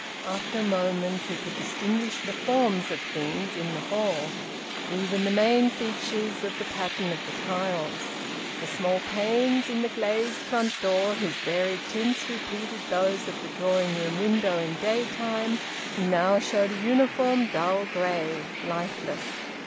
After a moment he could distinguish the forms of things in the hall, even the main features of the pattern of the tiles. The small panes in the glazed front door, whose varied tints repeated those of the drawing room window in daytime, now showed a uniform dull grey, lifeless.